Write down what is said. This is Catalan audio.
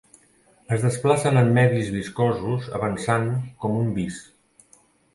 Es desplacen en medis viscosos avançant com un vis.